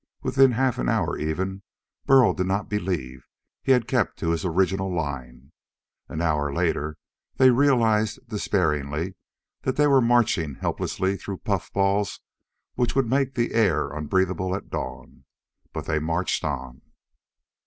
Within half an hour even Burl did not believe he had kept to his original line. An hour later they realized despairingly that they were marching helpless through puffballs which would make the air unbreathable at dawn. But they marched on.